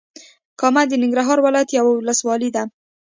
کامه د ننګرهار ولايت یوه ولسوالې ده.